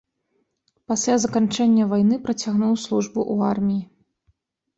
Пасля заканчэння вайны працягнуў службу ў арміі.